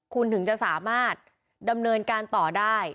คุณถึงจะสามารถดำเนินการต่อได้